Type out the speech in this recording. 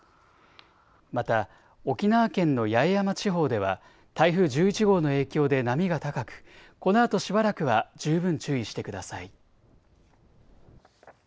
また沖縄県の八重山地方では台風１１号の影響で波が高くこのあとしばらくは十分注意してください。